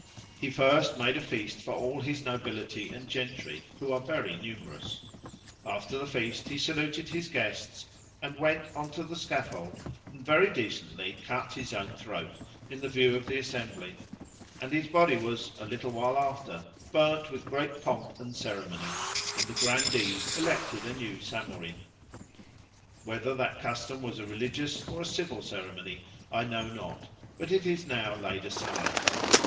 He first made a feast for all his nobility and gentry, who are very numerous. After the feast he saluted his guests, and went on the scaffold, and very decently cut his own throat in the view of the assembly, and his body was, a little while after, burned with great pomp and ceremony, and the grandees elected a new Samorin. Whether that custom was a religious or a civil ceremony, I know not, but it is now laid aside.